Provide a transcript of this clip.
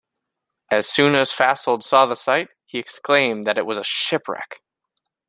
As soon as Fasold saw the site, he exclaimed that it was a shipwreck.